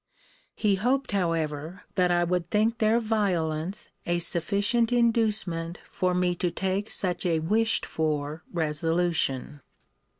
He hoped, however, that I would think their violence a sufficient inducement for me to take such a wished for resolution.